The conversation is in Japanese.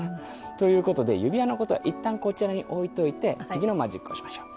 という事で指輪の事はいったんこちらに置いておいて次のマジックをしましょう。